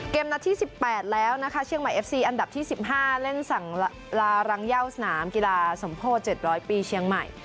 เกมดันที่สิบแปดแล้วนะคะเชียงใหม่เอฟซีอันดับที่สิบห้าเล่นสั่งระระหลางเยี้ยวสนามกีฬาศมโภตเจ็ดร้อยปีเชียงใหม่